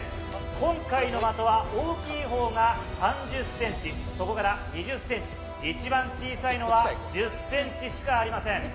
今回の的は大きいほうが３０センチ、そこから２０センチ、一番小さいのは１０センチしかありません。